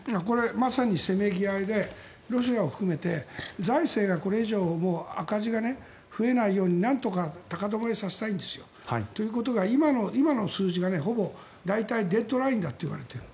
まさにせめぎ合いでロシアを含めて財政がこれ以上赤字が増えないように、なんとか高止まりさせたいんですよ。ということは今の数字がほぼ大体デッドラインだといわれている。